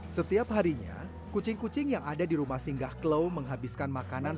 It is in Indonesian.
setiap harinya kucing kucing yang ada di rumah singgah klau menghabiskan makanan